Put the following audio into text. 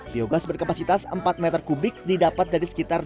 biogas berkapasitas empat meter kubik didapat dari bapak bapak